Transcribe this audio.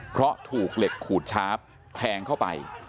เพราะถูกเหล็กขูดชาร์ฟแทงเข้าไป